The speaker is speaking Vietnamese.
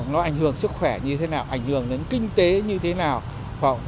nó ảnh hưởng sức khỏe như thế nào ảnh hưởng đến kinh tế như thế nào